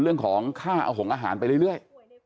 เรื่องของค่าเอาหงอาหารไปเรื่อย